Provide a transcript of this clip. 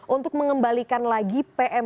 untuk mengembalikan lagi pendidikan